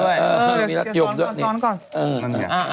เอออย่าเกียรติฟ้อนก่อน